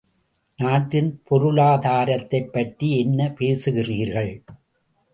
நாட்டின் பொருளாதாரத்தைப் பற்றி என்ன பேசுகிறார்கள்?